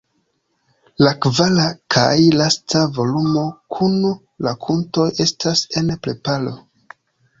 La kvara kaj lasta volumo kun rakontoj estas en preparo.